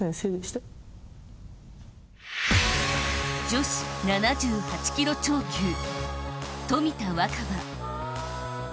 女子７８キロ超級冨田若春。